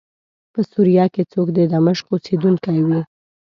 په سوریه کې څوک د دمشق اوسېدونکی وي.